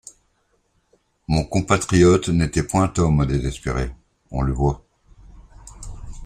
Mon compatriote n’était point homme à désespérer, on le voit.